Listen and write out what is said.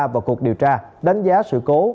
vào cuộc điều tra đánh giá sự cố